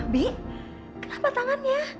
bi kenapa tangannya